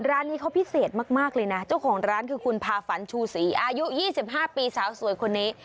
ร้านนี้เขาพิเศษมากเลยนะเจ้าของร้านคือคุณพาฝันชูศรีอายุ๒๕ปีสาวสวยคนนี้